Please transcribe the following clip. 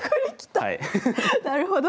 なるほど。